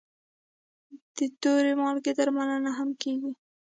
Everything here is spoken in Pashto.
د تور مالګې درملنه هم کېږي.